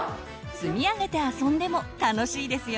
積み上げて遊んでも楽しいですよ。